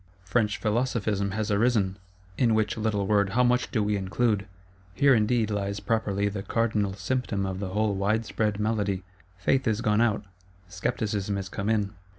French Philosophism has arisen; in which little word how much do we include! Here, indeed, lies properly the cardinal symptom of the whole wide spread malady. Faith is gone out; Scepticism is come in.